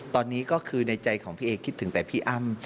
ตอนนี้ก็คือในใจของพี่เอคิดถึงแต่พี่อ้ำ